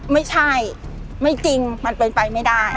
ไม่ใช่ไม่จริงมันเป็นไปไม่ได้